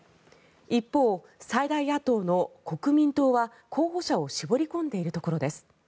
一方、最大野党の国民党は候補者を絞り込んでいるところです。